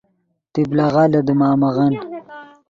طبلغہ لے دیمامغن